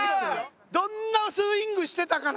どんなスイングしてたかな？